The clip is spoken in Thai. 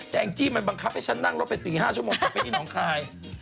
แองจี้มันบังคับให้ฉันนั่งรถไป๔๕ชั่วโมงกลับไปที่น้องคาย